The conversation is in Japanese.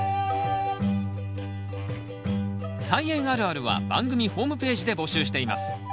「菜園あるある」は番組ホームページで募集しています。